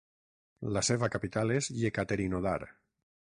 La seva capital és Yekaterinodar.